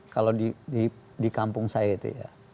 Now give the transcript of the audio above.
kalau di kampung saya itu ya